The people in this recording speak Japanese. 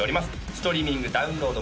ストリーミングダウンロード